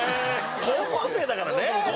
高校生だからね。